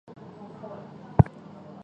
维朗德里。